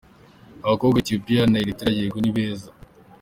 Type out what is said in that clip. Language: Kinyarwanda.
Abakobwa ba Ethiopiya na Erithrea yego ni beza.